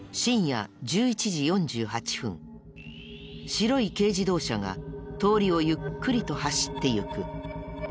白い軽自動車が通りをゆっくりと走っていく。